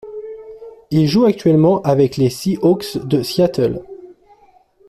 Il joue actuellement avec les Seahawks de Seattle.